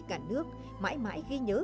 cả nước mãi mãi ghi nhớ